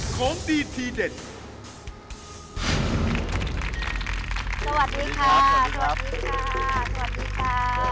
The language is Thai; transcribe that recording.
สวัสดีค่ะสวัสดีค่ะ